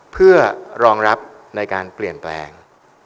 เพื่อรองรับในการเปลี่ยนแปลง